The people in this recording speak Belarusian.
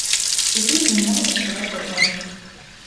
Цяпер ён можа працаваць токарам.